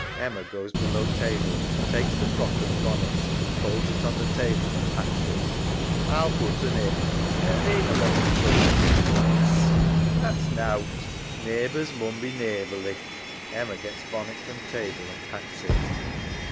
[Emma goes below table, takes the frock and bonnet, folds it on the table and packs it. EMMA. A'll put un in. SARAH. A'm being a lot o' trouble to thee, lass. EMMA. That's nowt, neighbours mun be neighbourly. [Gets bonnet from table and packs it.